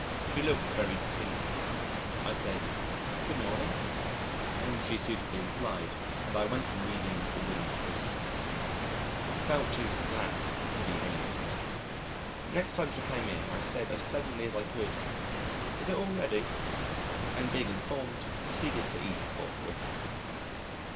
She looked very clean. I said, "Good morning," and she suitably replied, and I went on reading, the Winning Post. Felt too slack to be amiable. Next time she came in, I said as pleasantly as I could, "Is it all ready?" and being informed proceeded to eat forthwith.